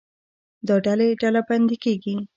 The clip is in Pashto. دا ډلې ډلبندي کېږي.